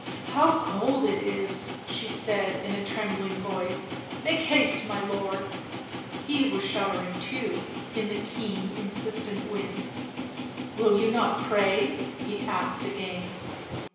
" How cold it is!" she said in a trembling voice. " Make haste, my lord." He was shuddering too, in the keen, insistent wind. " Will you not pray?" he asked again.